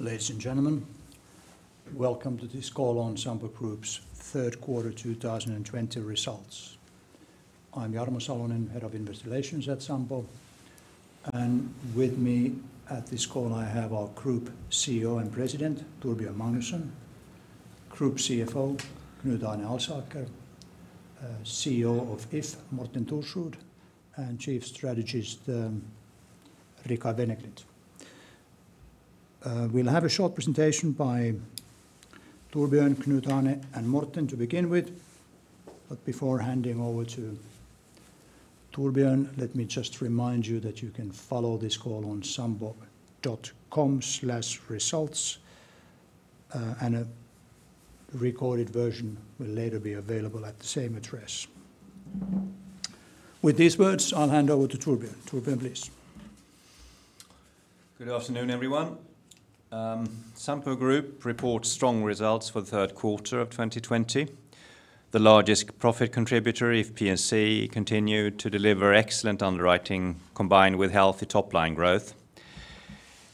Ladies and gentlemen, welcome to this call on Sampo Group's third quarter 2020 results. I'm Jarmo Salonen, Head of Investor Relations at Sampo, and with me at this call I have our Group CEO and President, Torbjörn Magnusson, Group CFO, Knut Arne Alsaker, CEO of If, Morten Thorsrud, and Chief Strategist, Ricard Wennerklint. We'll have a short presentation by Torbjörn, Knut Arne, and Morten to begin with. Before handing over to Torbjörn, let me just remind you that you can follow this call on sampo.com/results, and a recorded version will later be available at the same address. With these words, I'll hand over to Torbjörn. Torbjörn, please. Good afternoon, everyone. Sampo Group reports strong results for the third quarter of 2020. The largest profit contributor, If P&C, continued to deliver excellent underwriting combined with healthy top-line growth.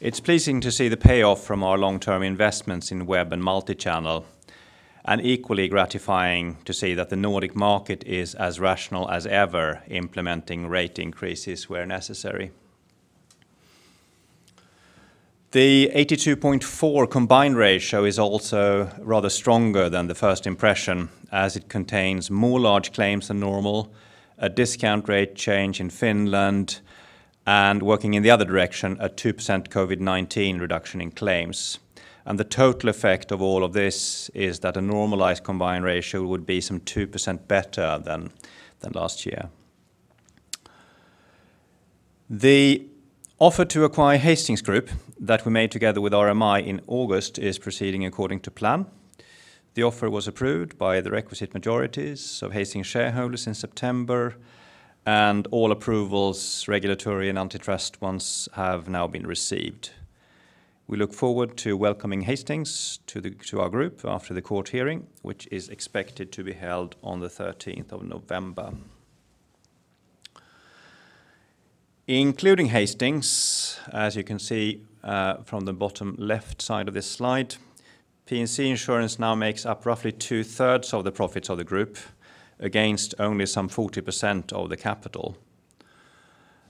It's pleasing to see the payoff from our long-term investments in web and multi-channel, and equally gratifying to see that the Nordic market is as rational as ever, implementing rate increases where necessary. The 82.4 combined ratio is also rather stronger than the first impression, as it contains more large claims than normal, a discount rate change in Finland, and working in the other direction, a 2% COVID-19 reduction in claims. The total effect of all of this is that a normalized combined ratio would be some 2% better than last year. The offer to acquire Hastings Group, that we made together with RMI in August, is proceeding according to plan. The offer was approved by the requisite majorities of Hastings shareholders in September, and all approvals, regulatory and antitrust ones, have now been received. We look forward to welcoming Hastings to our group after the court hearing, which is expected to be held on the 13th of November. Including Hastings, as you can see from the bottom left side of this slide, P&C Insurance now makes up roughly two-thirds of the profits of the group, against only some 40% of the capital.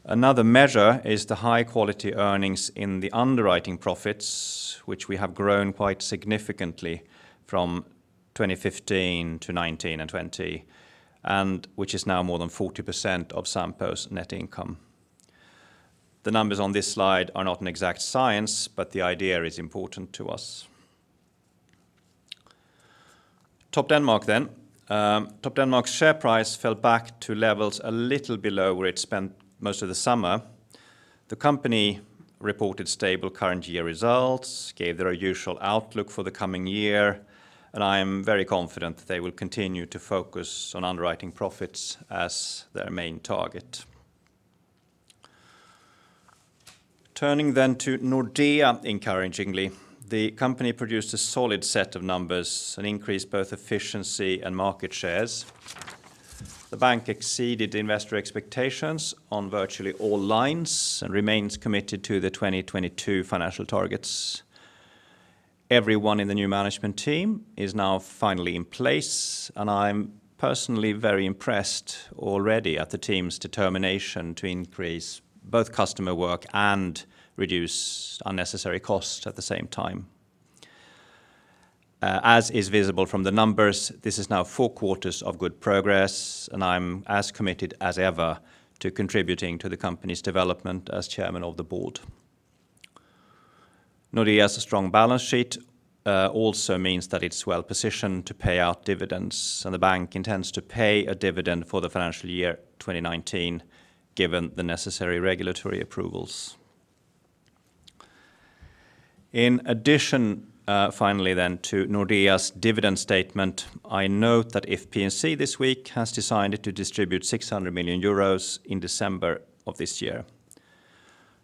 Another measure is the high-quality earnings in the underwriting profits, which we have grown quite significantly from 2015 to 2019 and 2020, and which is now more than 40% of Sampo's net income. The numbers on this slide are not an exact science, but the idea is important to us. Topdanmark. Topdanmark's share price fell back to levels a little below where it spent most of the summer. The company reported stable current year results, gave their usual outlook for the coming year, I am very confident they will continue to focus on underwriting profits as their main target. Turning to Nordea. Encouragingly, the company produced a solid set of numbers and increased both efficiency and market shares. The bank exceeded investor expectations on virtually all lines and remains committed to the 2022 financial targets. Everyone in the new management team is now finally in place, I'm personally very impressed already at the team's determination to increase both customer work and reduce unnecessary costs at the same time. As is visible from the numbers, this is now four quarters of good progress, and I'm as committed as ever to contributing to the company's development as chairman of the board. Also means that it's well-positioned to pay out dividends, and Nordea intends to pay a dividend for the financial year 2019, given the necessary regulatory approvals. In addition, finally, to Nordea's dividend statement, I note that If P&C this week has decided to distribute 600 million euros in December of this year.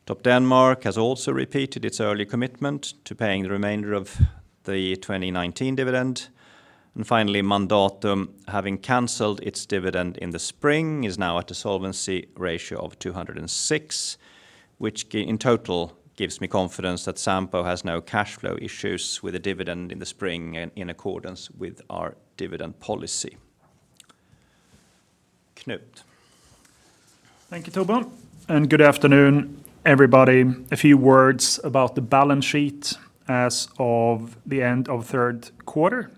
Topdanmark has also repeated its early commitment to paying the remainder of the 2019 dividend. Finally, Mandatum, having canceled its dividend in the spring, is now at a solvency ratio of 206, which in total gives me confidence that Sampo has no cash flow issues with a dividend in the spring and in accordance with our dividend policy. Knut. Thank you, Torbjörn, and good afternoon, everybody. A few words about the balance sheet as of the end of third quarter.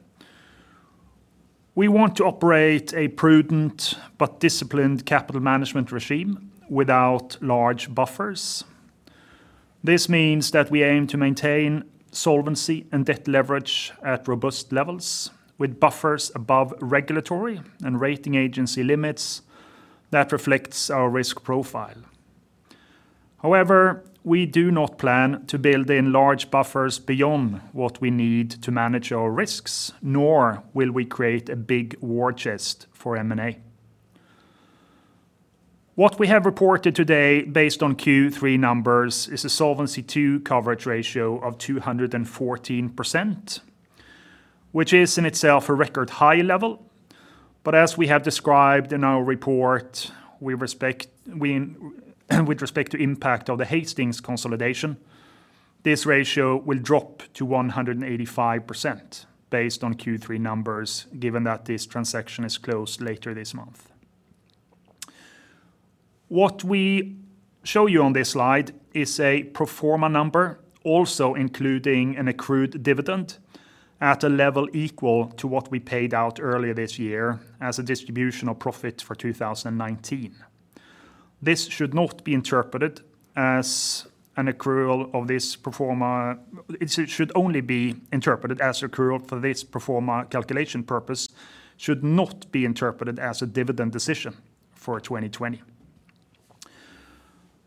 We want to operate a prudent but disciplined capital management regime without large buffers. This means that we aim to maintain solvency and debt leverage at robust levels, with buffers above regulatory and rating agency limits that reflects our risk profile. However, we do not plan to build in large buffers beyond what we need to manage our risks, nor will we create a big war chest for M&A. What we have reported today, based on Q3 numbers, is a Solvency II coverage ratio of 214%. Which is in itself a record high level. But as we have described in our report, with respect to impact of the Hastings consolidation, this ratio will drop to 185% based on Q3 numbers, given that this transaction is closed later this month. What we show you on this slide is a pro forma number, also including an accrued dividend at a level equal to what we paid out earlier this year as a distribution of profit for 2019. This should only be interpreted as accrual for this pro forma calculation purpose, should not be interpreted as a dividend decision for 2020.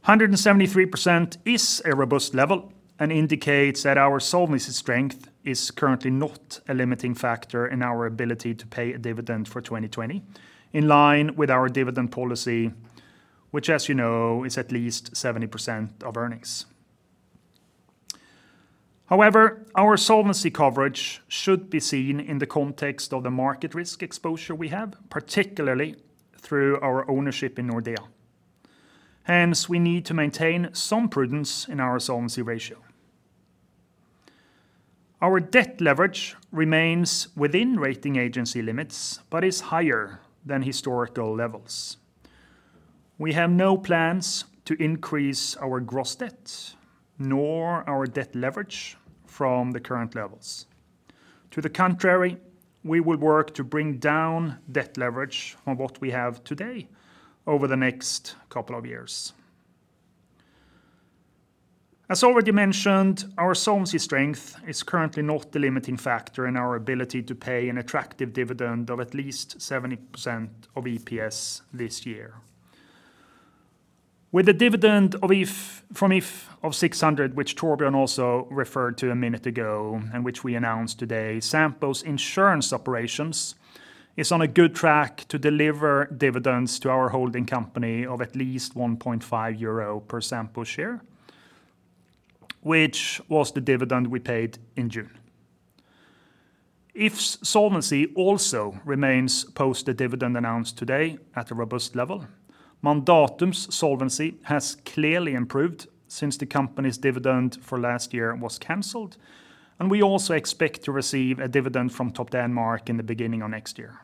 173% is a robust level and indicates that our solvency strength is currently not a limiting factor in our ability to pay a dividend for 2020, in line with our dividend policy, which, as you know, is at least 70% of earnings. Our solvency coverage should be seen in the context of the market risk exposure we have, particularly through our ownership in Nordea. We need to maintain some prudence in our solvency ratio. Our debt leverage remains within rating agency limits but is higher than historical levels. We have no plans to increase our gross debt nor our debt leverage from the current levels. To the contrary, we would work to bring down debt leverage on what we have today over the next couple of years. As already mentioned, our solvency strength is currently not the limiting factor in our ability to pay an attractive dividend of at least 70% of EPS this year. With a dividend from If of 600, which Torbjörn also referred to a minute ago and which we announced today, Sampo's insurance operations is on a good track to deliver dividends to our holding company of at least 1.5 euro per Sampo share, which was the dividend we paid in June. If solvency also remains post the dividend announced today at a robust level, Mandatum's solvency has clearly improved since the company's dividend for last year was canceled. We also expect to receive a dividend from Topdanmark in the beginning of next year.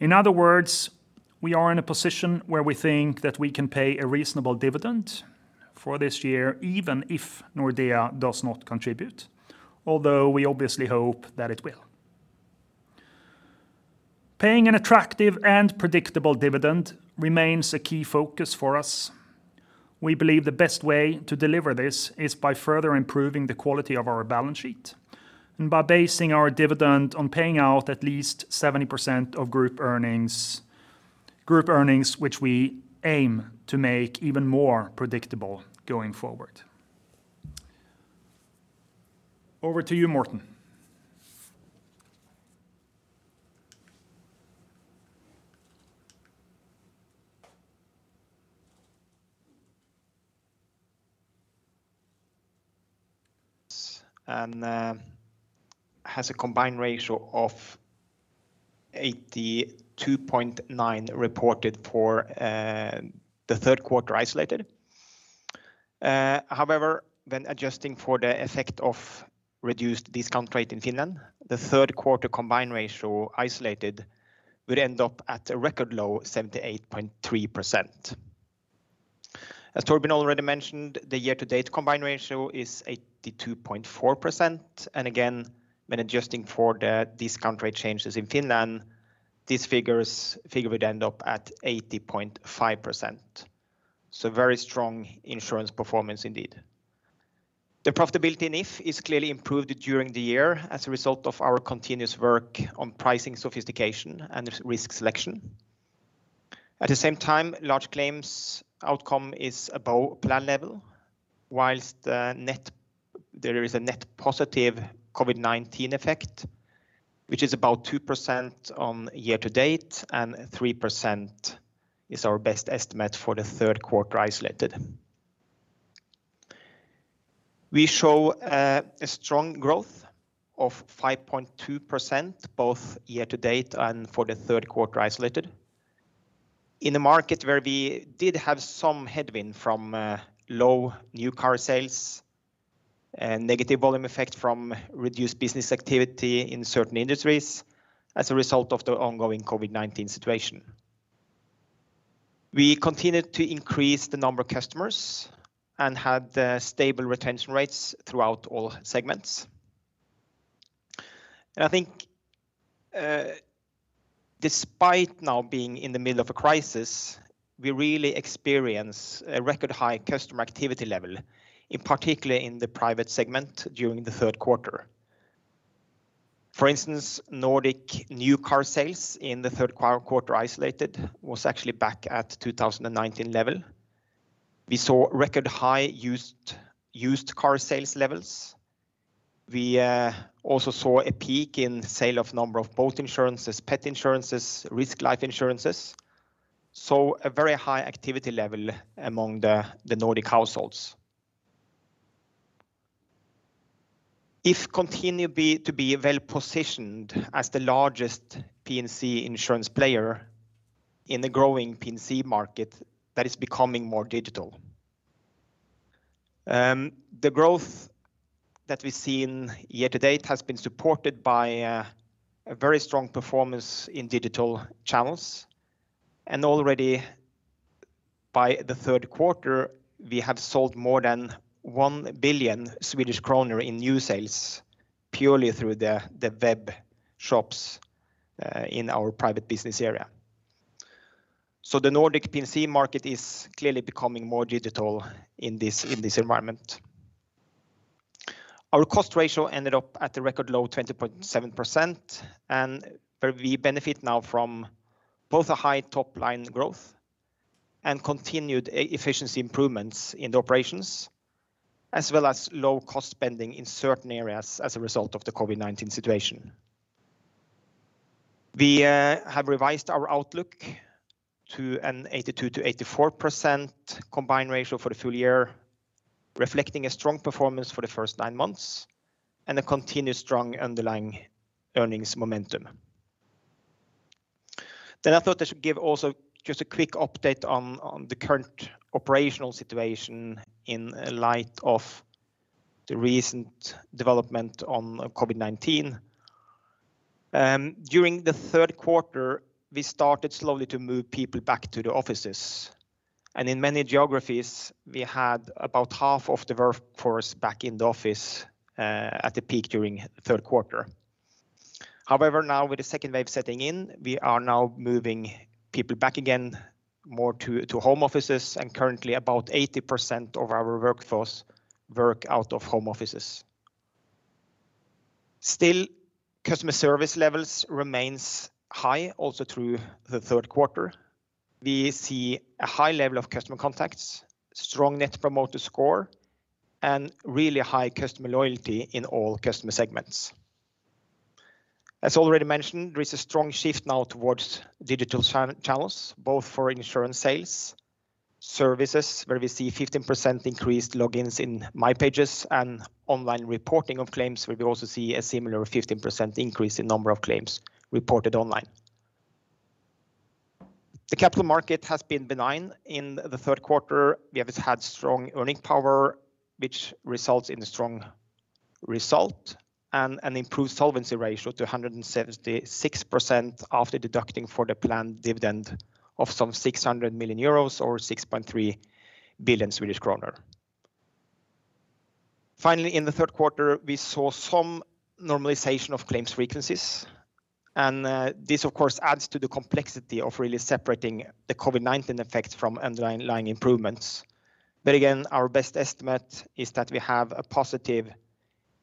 In other words, we are in a position where we think that we can pay a reasonable dividend for this year, even if Nordea does not contribute. We obviously hope that it will. Paying an attractive and predictable dividend remains a key focus for us. We believe the best way to deliver this is by further improving the quality of our balance sheet and by basing our dividend on paying out at least 70% of group earnings. Group earnings which we aim to make even more predictable going forward. Over to you, Morten. Has a combined ratio of 82.9% reported for the third quarter isolated. However, when adjusting for the effect of reduced discount rate in Finland, the third quarter combined ratio isolated would end up at a record low 78.3%. As Torbjörn already mentioned, the year-to-date combined ratio is 82.4%. Again, when adjusting for the discount rate changes in Finland, this figure would end up at 80.5%. Very strong insurance performance indeed. The profitability in If is clearly improved during the year as a result of our continuous work on pricing sophistication and risk selection. At the same time, large claims outcome is above plan level, whilst there is a net positive COVID-19 effect, which is about 2% on year-to-date and 3% is our best estimate for the third quarter isolated. We show a strong growth of 5.2% both year-to-date and for the third quarter isolated. In a market where we did have some headwind from low new car sales and negative volume effect from reduced business activity in certain industries as a result of the ongoing COVID-19 situation. We continued to increase the number of customers and had stable retention rates throughout all segments. I think despite now being in the middle of a crisis, we really experience a record high customer activity level, in particular in the private segment during the third quarter. For instance, Nordic new car sales in the third quarter isolated was actually back at 2019 level. We saw record high used car sales levels. We also saw a peak in sale of number of boat insurances, pet insurances, risk life insurances. A very high activity level among the Nordic households. If continue to be well-positioned as the largest P&C insurance player in the growing P&C market that is becoming more digital. The growth that we've seen year to date has been supported by a very strong performance in digital channels, and already by the third quarter, we have sold more than 1 billion Swedish kronor in new sales purely through the web shops in our private business area. The Nordic P&C market is clearly becoming more digital in this environment. Our cost ratio ended up at the record low 20.7%, and we benefit now from both a high top-line growth and continued efficiency improvements in the operations, as well as low cost spending in certain areas as a result of the COVID-19 situation. We have revised our outlook to an 82%-84% combined ratio for the full year, reflecting a strong performance for the first nine months and a continued strong underlying earnings momentum. I thought I should give also just a quick update on the current operational situation in light of the recent development on COVID-19. During the third quarter, we started slowly to move people back to the offices, and in many geographies, we had about half of the workforce back in the office at the peak during the third quarter. However, now with the second wave setting in, we are now moving people back again more to home offices, and currently about 80% of our workforce work out of home offices. Still, customer service levels remains high also through the third quarter. We see a high level of customer contacts, strong Net Promoter Score, and really high customer loyalty in all customer segments. As already mentioned, there is a strong shift now towards digital channels, both for insurance sales, services, where we see 15% increased logins in My Pages and online reporting of claims, where we also see a similar 15% increase in number of claims reported online. The capital market has been benign in the third quarter. We have had strong earning power, which results in a strong result and an improved solvency ratio to 176% after deducting for the planned dividend of some 600 million euros or 6.3 billion Swedish kronor. Finally, in the third quarter, we saw some normalization of claims frequencies, this of course adds to the complexity of really separating the COVID-19 effect from underlying improvements. Our best estimate is that we have a positive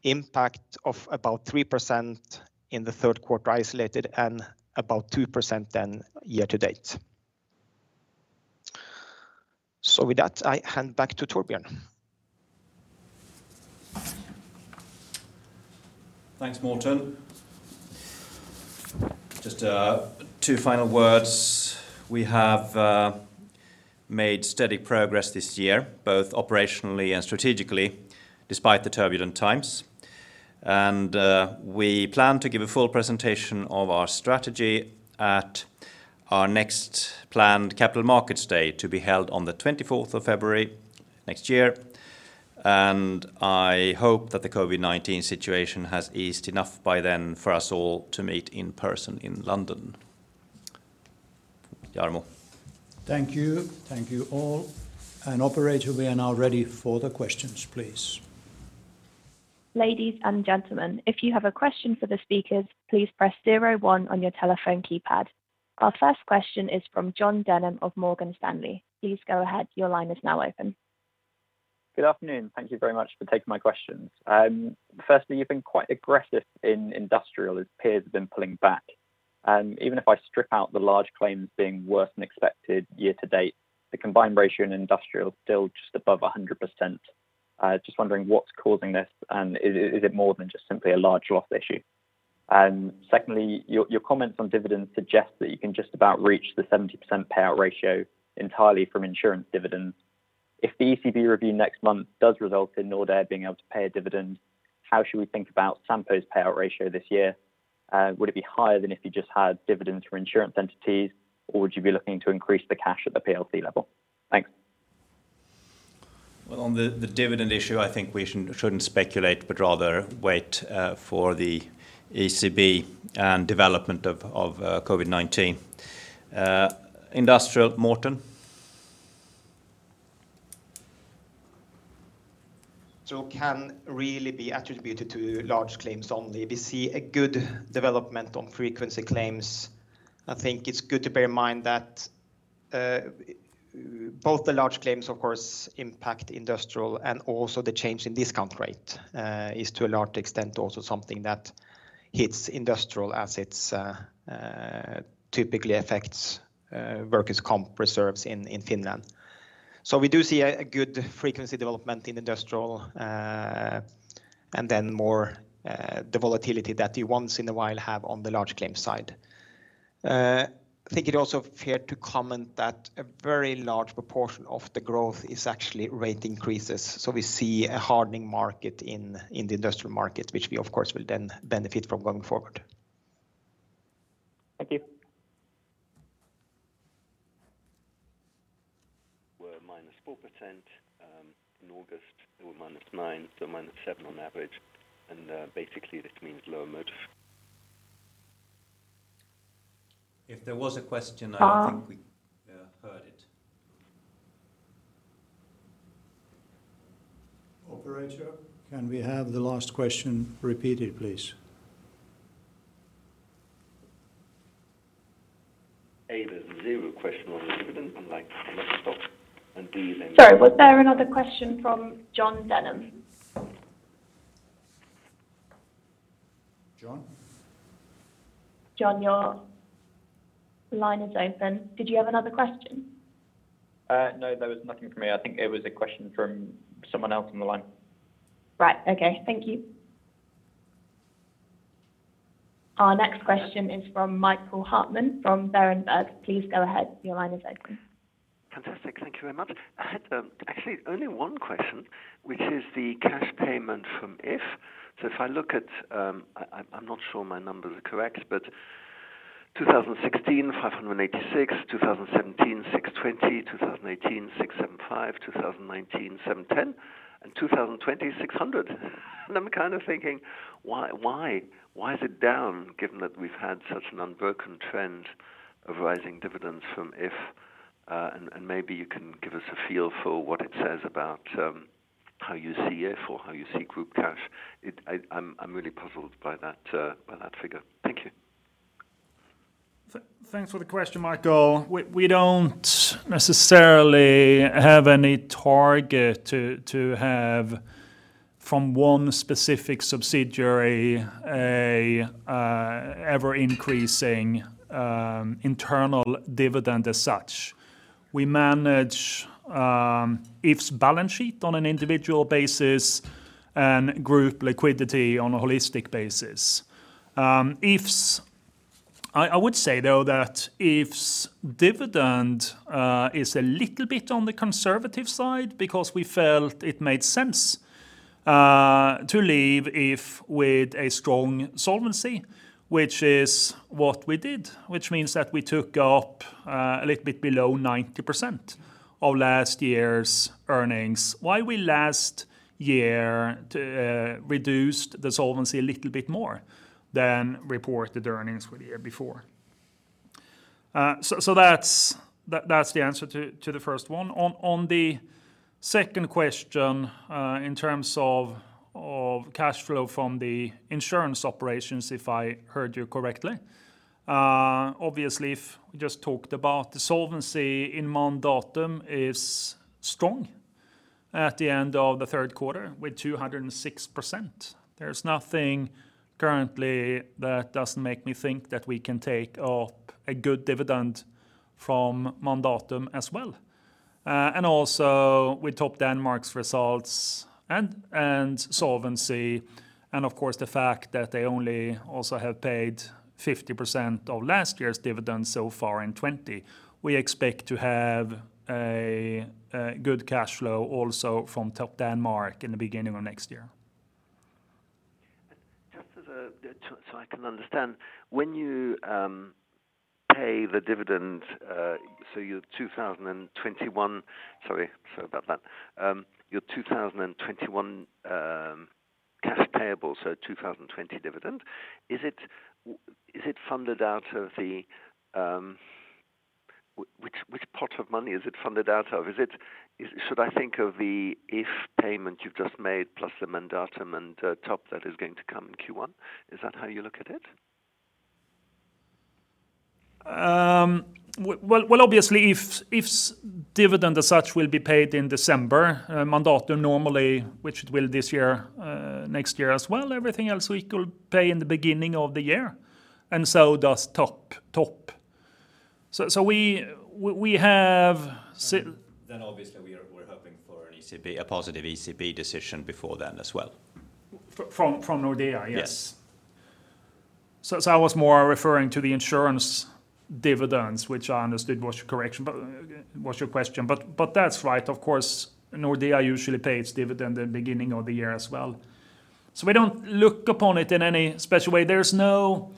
impact of about 3% in the third quarter isolated and about 2% then year to date. I hand back to Torbjörn. Thanks, Morten. Just two final words. We have made steady progress this year, both operationally and strategically, despite the turbulent times. We plan to give a full presentation of our strategy at our next planned Capital Markets Day, to be held on the 24th of February next year. I hope that the COVID-19 situation has eased enough by then for us all to meet in person in London. Jarmo. Thank you. Thank you all. Operator, we are now ready for the questions, please. Ladies and gentlemen, if you have a question for the speakers, please press zero one on your telephone keypad. Our first question is from Jon Denham of Morgan Stanley. Please go ahead. Your line is now open. Good afternoon. Thank you very much for taking my questions. Firstly, you've been quite aggressive in Industrial as peers have been pulling back. Even if I strip out the large claims being worse than expected year to date, the combined ratio in Industrial is still just above 100%. Wondering what's causing this, is it more than just simply a large loss issue? Secondly, your comments on dividends suggest that you can just about reach the 70% payout ratio entirely from insurance dividends. If the ECB review next month does result in Nordea being able to pay a dividend, how should we think about Sampo's payout ratio this year? Would it be higher than if you just had dividends for insurance entities, or would you be looking to increase the cash at the PLC level? Thanks. Well, on the dividend issue, I think we shouldn't speculate, but rather wait for the ECB and development of COVID-19. Industrial, Morten. It can really be attributed to large claims only. We see a good development on frequency claims. I think it's good to bear in mind that both the large claims, of course, impact industrial and also the change in discount rate is to a large extent also something that hits industrial as it typically affects workers' comp reserves in Finland. We do see a good frequency development in industrial. More the volatility that you once in a while have on the large claims side. I think it is also fair to comment that a very large proportion of the growth is actually rate increases. We see a hardening market in the industrial market, which we of course will then benefit from going forward. Thank you. Were -4% in August, they were minus nine, so minus seven on average, basically this means lower margin. If there was a question, I don't think we heard it. Operator, can we have the last question repeated, please? A, there's zero question on the dividend, unlike some other stocks. Sorry, was there another question from Jon Denham? Jon? Jon, your line is open. Did you have another question? No, there was nothing from me. I think it was a question from someone else on the line. Right, okay. Thank you. Our next question is from Michael Huttner from Berenberg. Please go ahead. Your line is open. Fantastic. Thank you very much. I had actually only one question, which is the cash payment from If. If I look at, I'm not sure my numbers are correct, 2016, 586, 2017, 620, 2018, 675, 2019, 710, and 2020, 600. I'm kind of thinking, why is it down, given that we've had such an unbroken trend of rising dividends from If, and maybe you can give us a feel for what it says about how you see If or how you see group cash. I'm really puzzled by that figure. Thank you. Thanks for the question, Michael. We don't necessarily have any target to have from one specific subsidiary, ever increasing internal dividend as such. We manage If's balance sheet on an individual basis and group liquidity on a holistic basis. I would say, though, that If's dividend is a little bit on the conservative side because we felt it made sense to leave If with a strong solvency, which is what we did, which means that we took up a little bit below 90% of last year's earnings, while we last year reduced the solvency a little bit more than reported earnings for the year before. That's the answer to the first one. On the second question, in terms of cash flow from the insurance operations, if I heard you correctly. Obviously, If we just talked about the solvency in Mandatum is strong at the end of the third quarter with 206%. There's nothing currently that doesn't make me think that we can take up a good dividend from Mandatum as well. Also with Topdanmark's results and solvency, and of course, the fact that they only also have paid 50% of last year's dividend so far in 2020, we expect to have a good cash flow also from Topdanmark in the beginning of next year. Just so I can understand, when you pay the dividend, so your 2021, sorry about that, your 2021 cash payable, so 2020 dividend, which pot of money is it funded out of? Should I think of the If payment you've just made plus the Mandatum and Top that is going to come in Q1? Is that how you look at it? Well, obviously, If's dividend as such will be paid in December. Mandatum normally, which it will this year, next year as well, everything else we could pay in the beginning of the year, and so does Top. Obviously we're hoping for a positive ECB decision before then as well. From Nordea, yes. I was more referring to the insurance dividends, which I understood was your question. That's right, of course, Nordea usually pays dividend the beginning of the year as well. We don't look upon it in any special way. There's no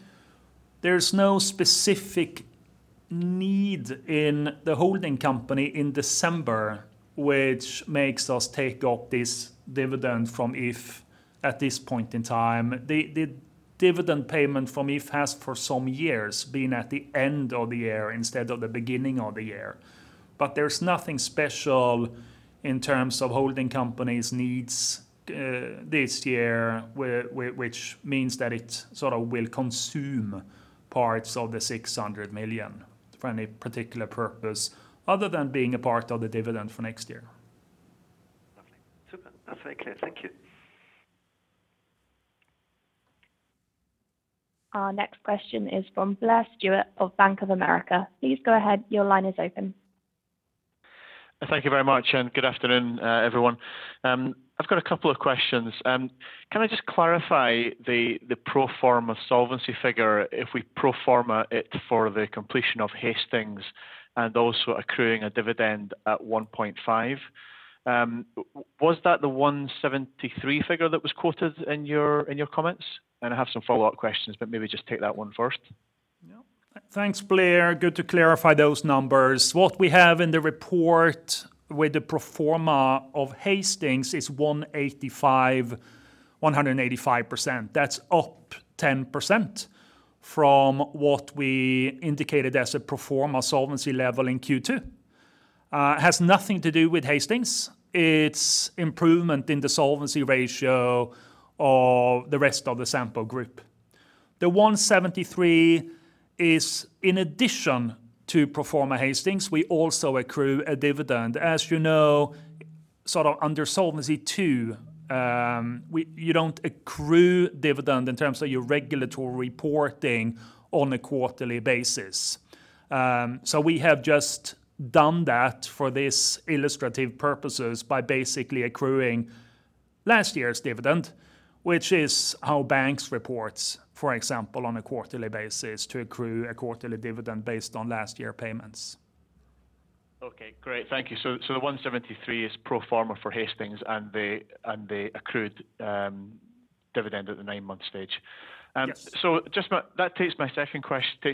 specific need in the holding company in December, which makes us take up this dividend from If at this point in time. The dividend payment from If has for some years been at the end of the year instead of the beginning of the year. There's nothing special in terms of holding company's needs this year, which means that it sort of will consume parts of the 600 million for any particular purpose other than being a part of the dividend for next year. Lovely. Super. That's very clear. Thank you. Our next question is from Blair Stewart of Bank of America. Please go ahead. Your line is open. Thank you very much, and good afternoon, everyone. I've got a couple of questions. Can I just clarify the pro forma solvency figure if we pro forma it for the completion of Hastings and also accruing a dividend at 1.5? Was that the 173 figure that was quoted in your comments? I have some follow-up questions, but maybe just take that one first. Thanks, Blair. Good to clarify those numbers. What we have in the report with the pro forma of Hastings is 185%. That is up 10% from what we indicated as a pro forma solvency level in Q2. Has nothing to do with Hastings. It is improvement in the solvency ratio of the rest of the Sampo group. The 173 is in addition to pro forma Hastings, we also accrue a dividend. As you know, under Solvency II, you do not accrue dividend in terms of your regulatory reporting on a quarterly basis. We have just done that for this illustrative purposes by basically accruing last year’s dividend, which is how banks report, for example, on a quarterly basis to accrue a quarterly dividend based on last year payments. Okay, great. Thank you. The 173 is pro forma for Hastings and the accrued dividend at the nine month stage. That takes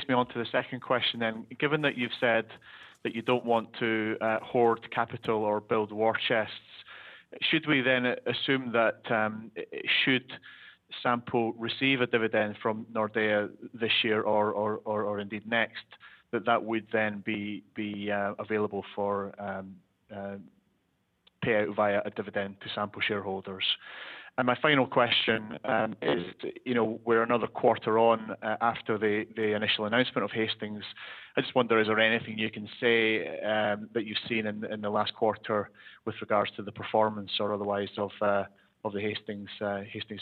me onto the second question then. Given that you've said that you don't want to hoard capital or build war chests, should we then assume that should Sampo receive a dividend from Nordea this year or indeed next, that that would then be available for payout via a dividend to Sampo shareholders? My final question is, we're another quarter on after the initial announcement of Hastings, I just wonder, is there anything you can say that you've seen in the last quarter with regards to the performance or otherwise of the Hastings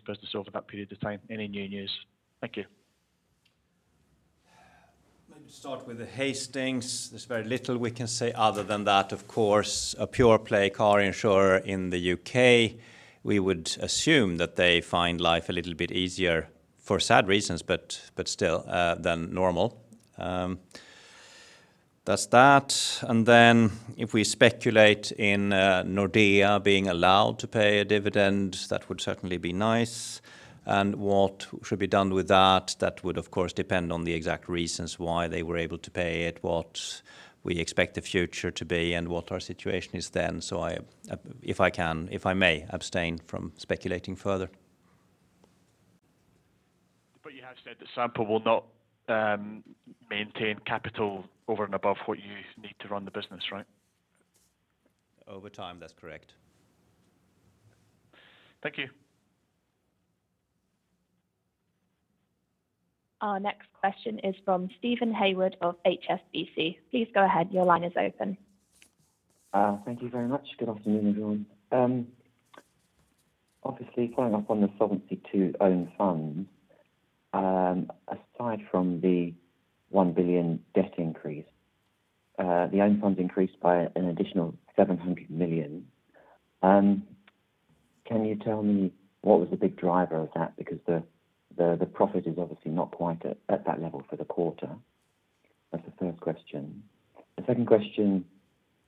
business over that period of time? Any new news? Thank you. Let me start with Hastings. There's very little we can say other than that, of course, a pure play car insurer in the U.K., we would assume that they find life a little bit easier, for sad reasons, but still, than normal. That's that. If we speculate in Nordea being allowed to pay a dividend, that would certainly be nice. What should be done with that would, of course, depend on the exact reasons why they were able to pay it, what we expect the future to be, and what our situation is then. If I may, abstain from speculating further. You have said that Sampo will not maintain capital over and above what you need to run the business, right? Over time, that's correct. Thank you. Our next question is from Stephen Hayward of HSBC. Please go ahead. Your line is open. Thank you very much. Good afternoon, everyone. Obviously, following up on the Solvency II own funds, aside from the 1 billion debt increase, the own funds increased by an additional 700 million. Can you tell me what was the big driver of that? The profit is obviously not quite at that level for the quarter. That's the first question. The second question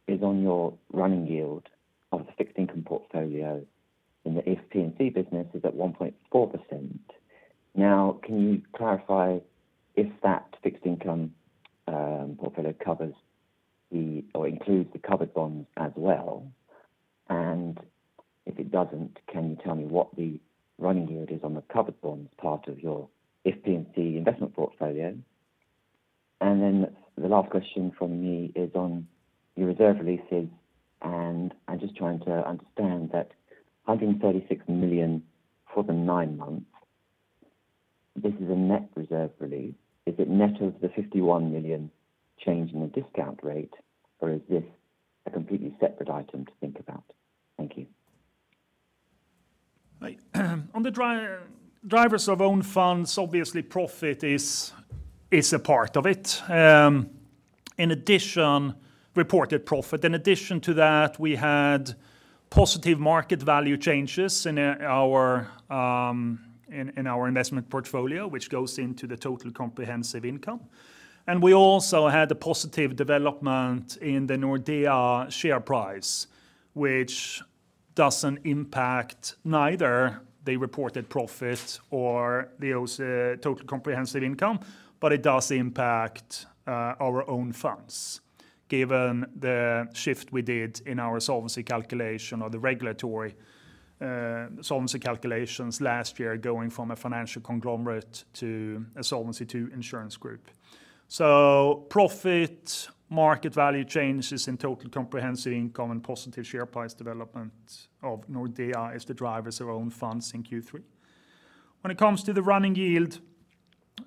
is on your running yield of the fixed income portfolio in the If P&C business is at 1.4%. Now, can you clarify if that fixed income portfolio covers or includes the covered bonds as well? If it doesn't, can you tell me what the running yield is on the covered bonds part of your If P&C investment portfolio? The last question from me is on your reserve releases. I'm just trying to understand that 136 million for the nine months, this is a net reserve release. Is it net of the 51 million change in the discount rate, or is this a completely separate item to think about? Thank you. On the drivers of own funds, obviously profit is a part of it. In addition, reported profit. In addition to that, we had positive market value changes in our investment portfolio, which goes into the total comprehensive income. We also had a positive development in the Nordea share price, which doesn't impact neither the reported profit or the total comprehensive income, but it does impact our own funds, given the shift we did in our solvency calculation or the regulatory Solvency II calculations last year, going from a financial conglomerate to a Solvency II insurance group. Profit, market value changes in total comprehensive income, and positive share price development of Nordea is the drivers of own funds in Q3. When it comes to the running yield,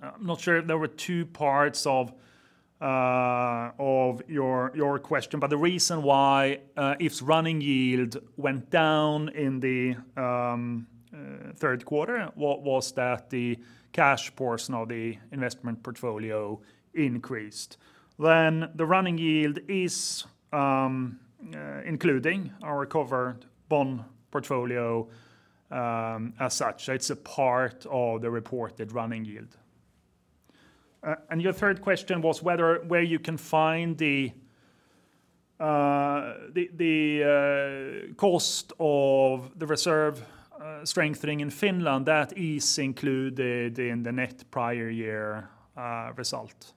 I'm not sure, there were two parts of your question, but the reason why its running yield went down in the third quarter was that the cash portion of the investment portfolio increased. The running yield is including our covered bond portfolio as such. It's a part of the reported running yield. Your third question was where you can find the cost of the reserve strengthening in Finland, that is included in the net prior year result.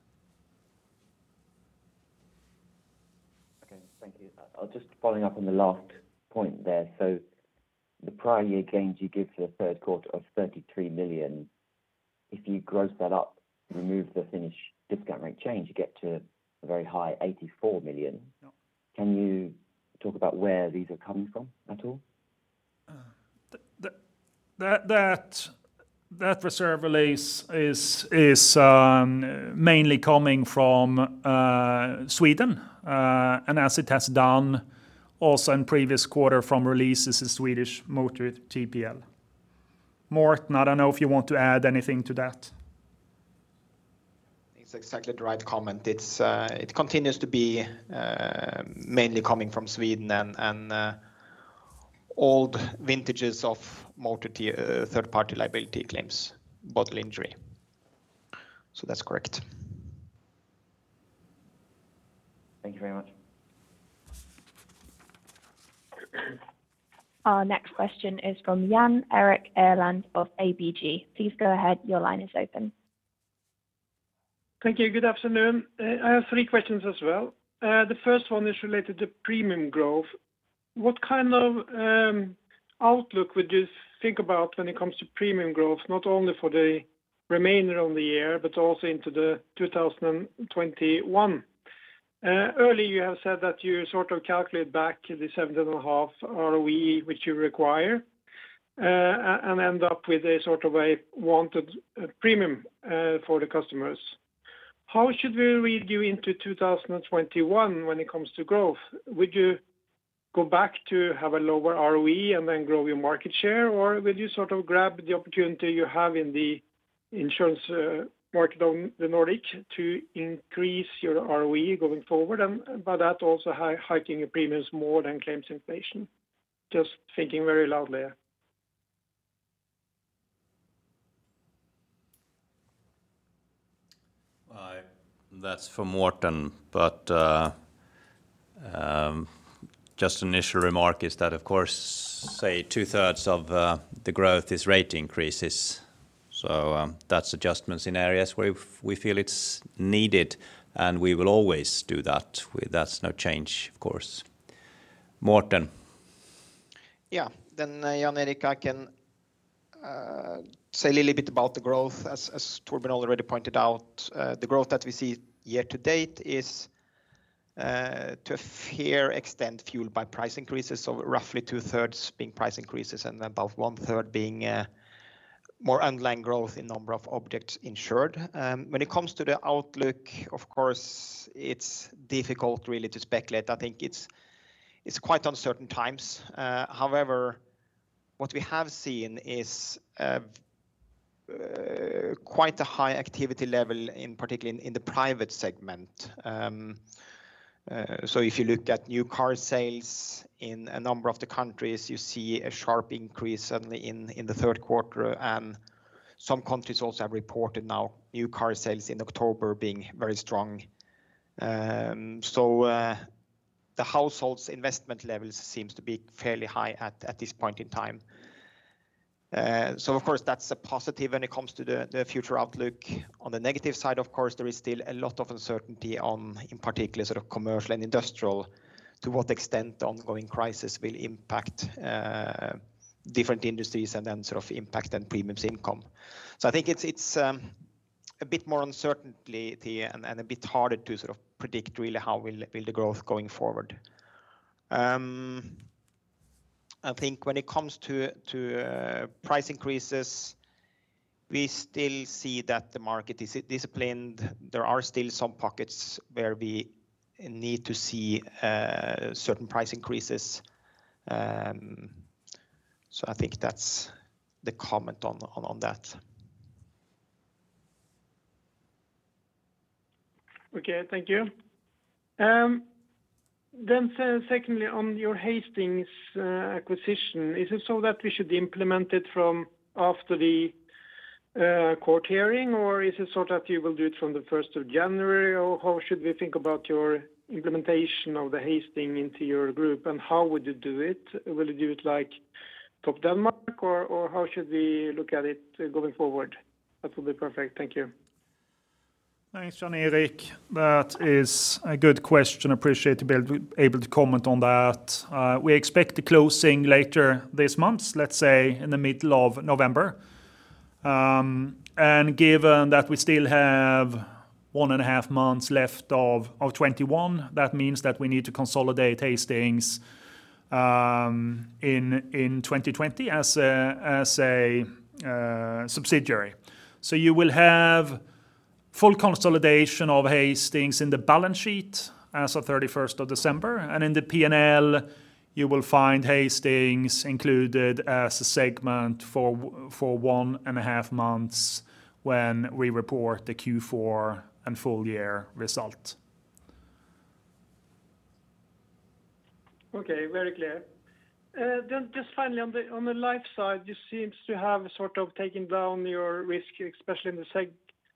Okay, thank you. Just following up on the last point there. The prior year gains you give for the third quarter of 33 million, if you gross that up, remove the Finnish discount rate change, you get to a very high 84 million. Yeah. Can you talk about where these are coming from at all? That reserve release is mainly coming from Sweden, and as it has done also in previous quarter from releases in Swedish motor TPL. Morten, I don't know if you want to add anything to that. It's exactly the right comment. It continues to be mainly coming from Sweden and old vintages of motor third party liability claims, bodily injury. That's correct. Thank you very much. Our next question is from Jan Erik Gjerland of ABG. Please go ahead. Your line is open. Thank you. Good afternoon. I have three questions as well. The first one is related to premium growth. What kind of outlook would you think about when it comes to premium growth, not only for the remainder of the year, but also into the 2021? Earlier you have said that you calculate back the 7.5 ROE, which you require, and end up with a wanted premium for the customers. How should we read you into 2021 when it comes to growth? Would you go back to have a lower ROE and then grow your market share, or will you grab the opportunity you have in the insurance market on the Nordic to increase your ROE going forward, and by that also hiking your premiums more than claims inflation? Just thinking very loudly. That's for Morten, but just initial remark is that, of course, say two thirds of the growth is rate increases. That's adjustments in areas where we feel it's needed, and we will always do that. That's no change, of course. Morten. Yeah. Jan Erik, I can say a little bit about the growth. As Torbjörn already pointed out, the growth that we see year-to-date is to a fair extent fueled by price increases, so roughly two-thirds being price increases, and about one-third being more underlying growth in number of objects insured. When it comes to the outlook, of course, it's difficult really to speculate. I think it's quite uncertain times. However, what we have seen is quite a high activity level, in particular in the private segment. If you look at new car sales in a number of the countries, you see a sharp increase suddenly in the third quarter. Some countries also have reported now new car sales in October being very strong. The households' investment levels seems to be fairly high at this point in time. Of course, that's a positive when it comes to the future outlook. On the negative side, of course, there is still a lot of uncertainty on, in particular commercial and industrial, to what extent the ongoing crisis will impact different industries and then impact on premiums income. I think it's a bit more uncertainty and a bit harder to predict really how will the growth going forward. I think when it comes to price increases, we still see that the market is disciplined. There are still some pockets where we need to see certain price increases. I think that's the comment on that. Okay, thank you. Secondly, on your Hastings acquisition, is it so that we should implement it from after the court hearing, or is it so that you will do it from the 1st of January, or how should we think about your implementation of the Hastings into your group, and how would you do it? Will you do it like Topdanmark, or how should we look at it going forward? That will be perfect. Thank you. Thanks, Jan Erik. That is a good question. Appreciate to be able to comment on that. We expect the closing later this month, let's say in the middle of November. Given that we still have one and a half months left of 2021, that means that we need to consolidate Hastings in 2020 as a subsidiary. You will have full consolidation of Hastings in the balance sheet as of 31st of December, and in the P&L, you will find Hastings included as a segment for one and a half months when we report the Q4 and full year result. Okay, very clear. Just finally on the life side, you seem to have sort of taken down your risk, especially in the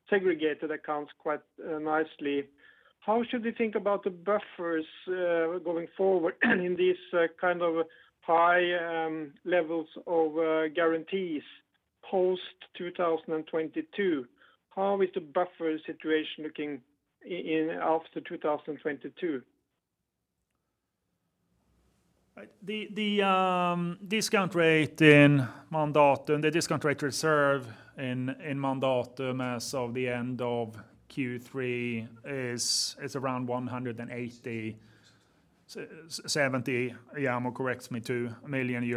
segregated accounts quite nicely. How should we think about the buffers going forward in these kind of high levels of guarantees post 2022? How is the buffer situation looking after 2022? Right. The discount rate reserve in Mandatum as of the end of Q3 is around 180, 70, yeah, correct me, million.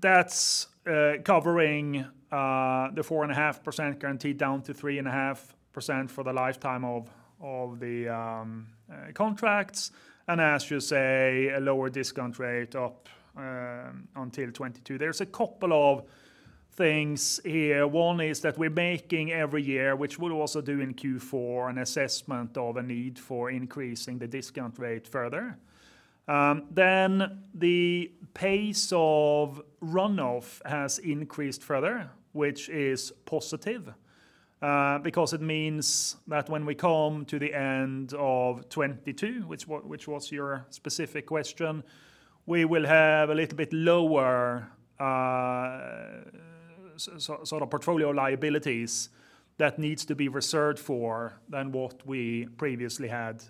That's covering the 4.5% guarantee down to 3.5% for the lifetime of the contracts, and as you say, a lower discount rate up until 2022. There's a couple of things here. One is that we're making every year, which we'll also do in Q4, an assessment of a need for increasing the discount rate further. The pace of runoff has increased further, which is positive because it means that when we come to the end of 2022, which was your specific question, we will have a little bit lower sort of portfolio liabilities that needs to be reserved for than what we previously had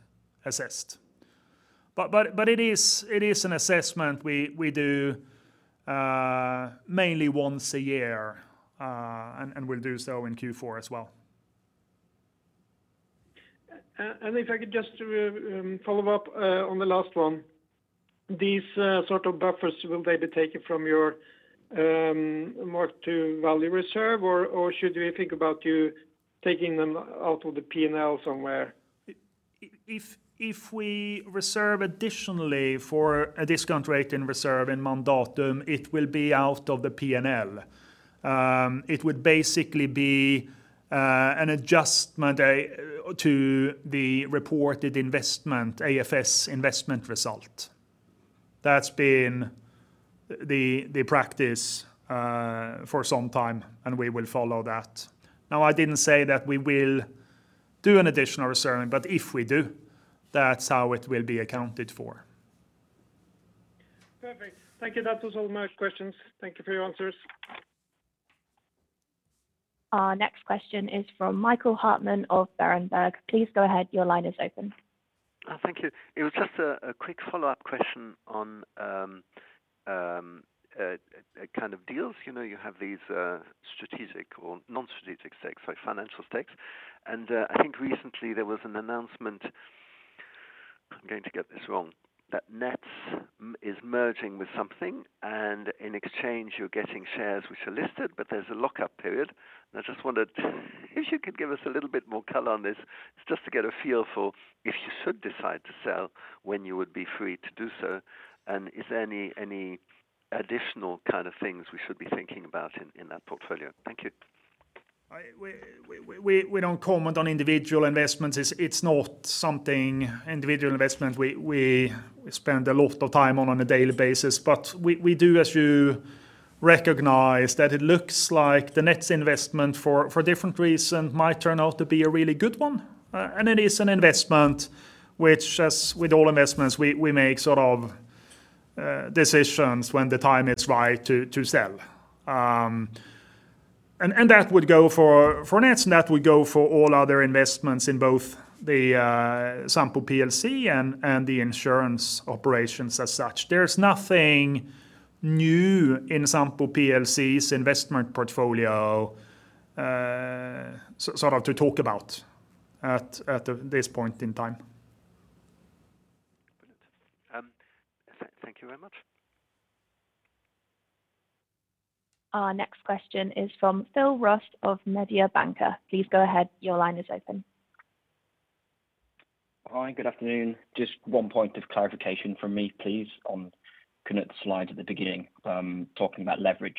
assessed. It is an assessment we do mainly once a year, and we'll do so in Q4 as well. If I could just follow up on the last one, these sort of buffers, will they be taken from your mark to value reserve, or should we think about you taking them out of the P&L somewhere? If we reserve additionally for a discount rate in reserve in Mandatum, it will be out of the P&L. It would basically be an adjustment to the reported AFS investment result. That's been the practice for some time, and we will follow that. Now, I didn't say that we will do an additional reserve, but if we do, that's how it will be accounted for. Perfect. Thank you. That was all my questions. Thank you for your answers. Our next question is from Michael Huttner of Berenberg. Please go ahead. Your line is open. Thank you. It was just a quick follow-up question on kind of deals. You have these strategic or non-strategic stakes, like financial stakes. I think recently there was an announcement, I'm going to get this wrong, that Nets is merging with something. In exchange you're getting shares which are listed. There's a lockup period. I just wondered if you could give us a little bit more color on this, just to get a feel for if you should decide to sell when you would be free to do so. Is there any additional kind of things we should be thinking about in that portfolio? Thank you. We don't comment on individual investments. It's not something, individual investment, we spend a lot of time on a daily basis. We do, as you recognize, that it looks like the Nets investment for different reasons might turn out to be a really good one, and it is an investment which as with all investments, we make sort of decisions when the time is right to sell. For Nets, that would go for all other investments in both the Sampo PLC and the insurance operations as such. There's nothing new in Sampo PLC's investment portfolio sort of to talk about at this point in time. Brilliant. Thank you very much. Our next question is from Phil Ross of Mediobanca. Please go ahead. Your line is open. Hi, good afternoon. Just one point of clarification from me, please, on kind of the slide at the beginning, talking about leverage.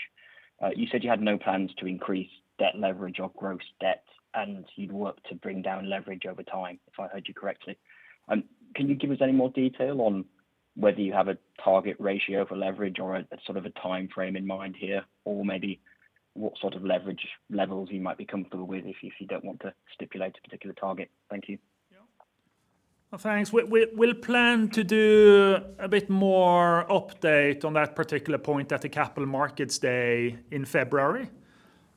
You said you had no plans to increase debt leverage or gross debt, and you'd work to bring down leverage over time, if I heard you correctly. Can you give us any more detail on whether you have a target ratio for leverage or a sort of a timeframe in mind here, or maybe what sort of leverage levels you might be comfortable with if you don't want to stipulate a particular target? Thank you. Yeah. Thanks. We'll plan to do a bit more update on that particular point at the Capital Markets Day in February.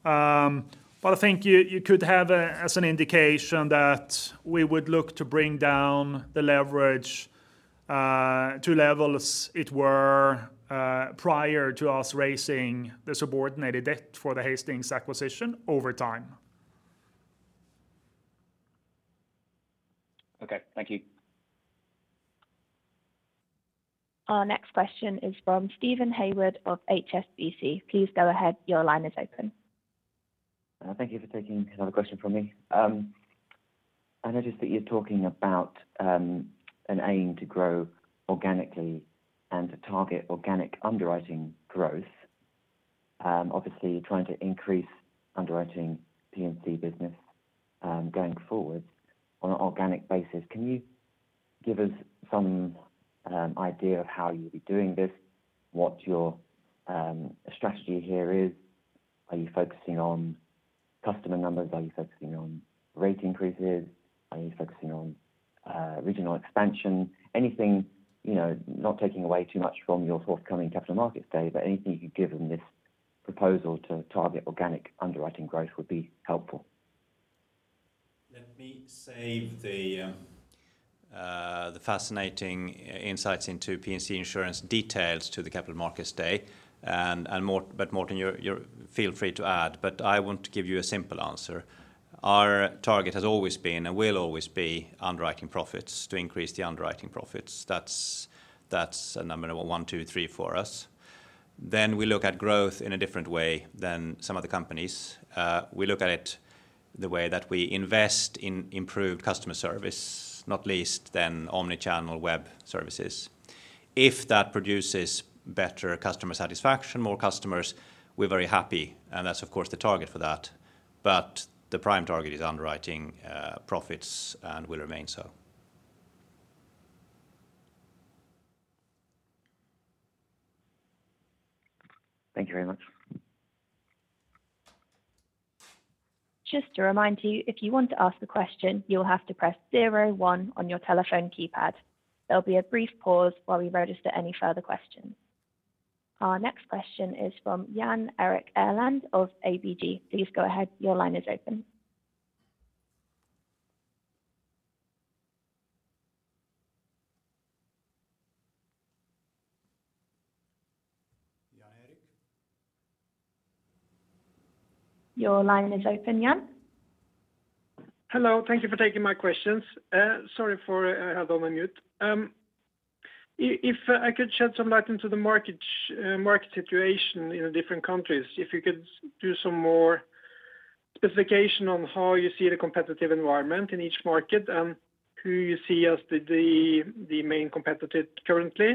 I think you could have as an indication that we would look to bring down the leverage to levels it were prior to us raising the subordinated debt for the Hastings acquisition over time. Okay, thank you. Our next question is from Stephen Hayward of HSBC. Please go ahead. Your line is open. Thank you for taking another question from me. I noticed that you're talking about an aim to grow organically and to target organic underwriting growth. Obviously, you're trying to increase underwriting P&C business going forward on an organic basis. Can you give us some idea of how you'll be doing this, what your strategy here is? Are you focusing on customer numbers? Are you focusing on rate increases? Are you focusing on regional expansion? Not taking away too much from your forthcoming Capital Markets Day, but anything you could give on this proposal to target organic underwriting growth would be helpful. Let me save the fascinating insights into P&C insurance details to the Capital Markets Day. Morten, feel free to add, but I want to give you a simple answer. Our target has always been, and will always be, to increase the underwriting profits. That's number one, two, three for us. We look at growth in a different way than some other companies. We look at it the way that we invest in improved customer service, not least than omni-channel web services. If that produces better customer satisfaction, more customers, we're very happy, and that's of course the target for that. The prime target is underwriting profits and will remain so. Thank you very much. Just to remind you, if you want to ask a question, you'll have to press zero one on your telephone keypad. There'll be a brief pause while we register any further questions. Our next question is from Jan Erik Gjerland of ABG. Please go ahead. Your line is open. Jan Erik? Your line is open, Jan. Hello. Thank you for taking my questions. Sorry, I had it on mute. If I could shed some light into the market situation in the different countries, if you could do some more specification on how you see the competitive environment in each market and who you see as the main competitor currently.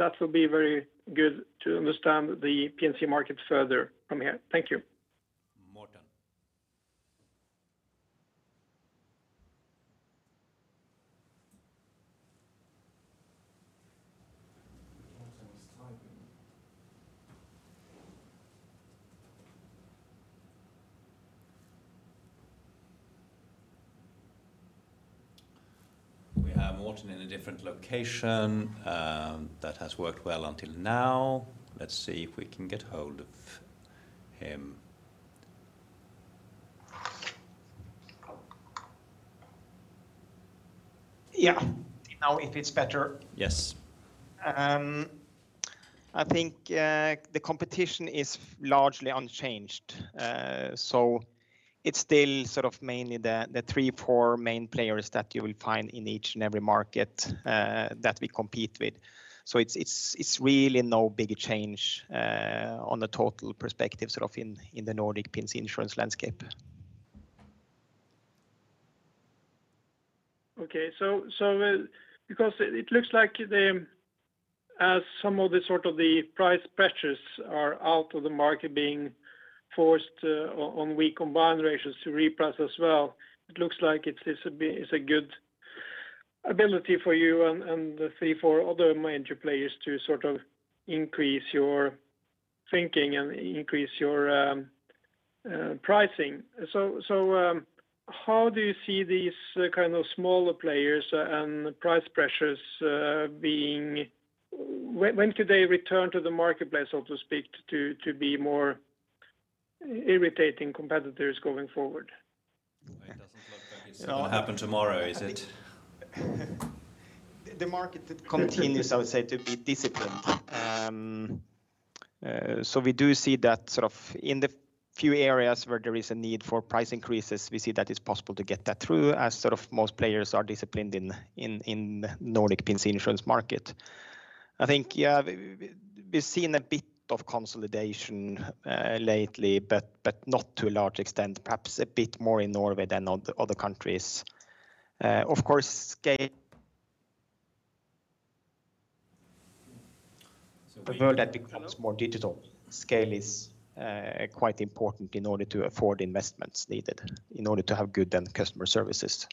That will be very good to understand the P&C market further from here. Thank you. Morten. Morten is typing. We have Morten in a different location. That has worked well until now. Let's see if we can get hold of him. Yeah. Now, if it's better. Yes. I think the competition is largely unchanged. It's still mainly the three, four main players that you will find in each and every market that we compete with. It's really no big change on the total perspective in the Nordic P&C insurance landscape. Okay. It looks like as some of the price pressures are out of the market, being forced on weak combined ratios to reprice as well, it looks like it's a good ability for you and the three, four other major players to increase your thinking and increase your pricing. How do you see these kind of smaller players and price pressures, when could they return to the marketplace, so to speak, to be more irritating competitors going forward? It doesn't look like it's going to happen tomorrow, is it? The market continues, I would say, to be disciplined. We do see that in the few areas where there is a need for price increases, we see that it's possible to get that through, as most players are disciplined in the Nordic P&C insurance market. I think, yeah, we've seen a bit of consolidation lately, but not to a large extent, perhaps a bit more in Norway than other countries. So we are- The world becomes more digital. Scale is quite important in order to afford investments needed, in order to have good customer services.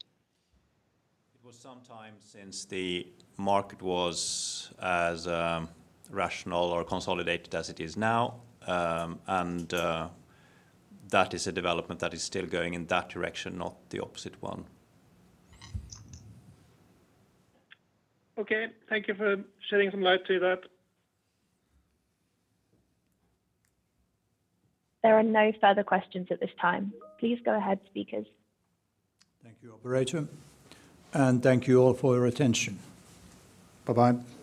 It was some time since the market was as rational or consolidated as it is now, and that is a development that is still going in that direction, not the opposite one. Okay. Thank you for shedding some light to that. There are no further questions at this time. Please go ahead, speakers. Thank you, operator, and thank you all for your attention. Bye-bye.